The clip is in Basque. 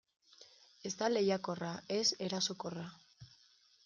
Ez da lehiakorra, ez erasokorra.